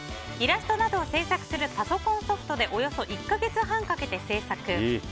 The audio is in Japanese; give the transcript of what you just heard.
イラストなどを制作するパソコンソフトでおよそ１か月半かけて制作。